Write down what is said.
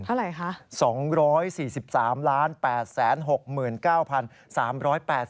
เท่าไหร่คะ